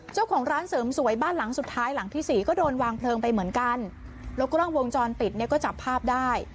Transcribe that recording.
เจ้าของร้านเสริมสวยบ้านหลังสุดท้ายหลังที่สี่ก็โดนวางเพลิงไปเหมือนกันแล้วก็ล่องวงจรปิดเนี่ยก็จับภาพได้